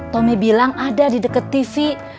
tommy bilang ada di dekat tv